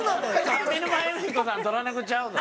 上沼恵美子さんドラ猫ちゃうぞ。